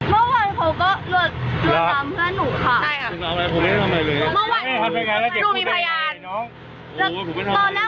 เมื่อวานเขาก็รวดน้ำเพื่อนหนูค่ะใช่ค่ะรวดน้ำอะไรผมไม่ได้ทำอะไรเลย